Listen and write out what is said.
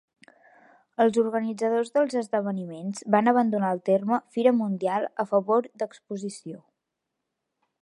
Els organitzadors dels esdeveniments van abandonar el terme "fira mundial" a favor d'"exposició".